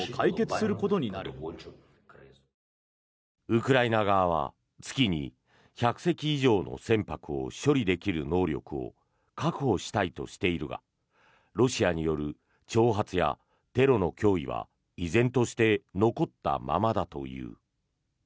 ウクライナ側は月に１００隻以上の船舶を処理できる能力を確保したいとしているがロシアによる挑発やテロの脅威は依然として残ったままだという。